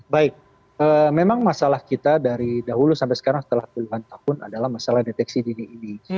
baik memang masalah kita dari dahulu sampai sekarang setelah puluhan tahun adalah masalah deteksi dini ini